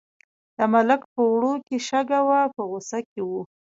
د ملک په وړو کې شګه وه په غوسه کې و.